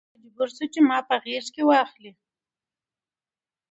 پلارجان مې مجبور شو چې ما په غېږ کې واخلي.